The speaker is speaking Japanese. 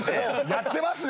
やってますね！